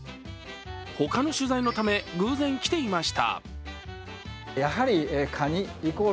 他の取材のため、偶然来ていました